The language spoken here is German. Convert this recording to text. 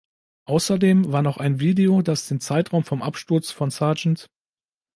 Außerdem war noch ein Video, das den Zeitraum vom Absturz von Sgt.